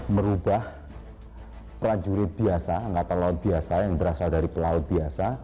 merubah prajurit biasa angkatan laut biasa yang berasal dari pelaut biasa